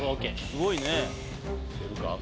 すごいね出るか？